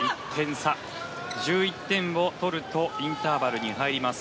１１点を取るとインターバルに入ります。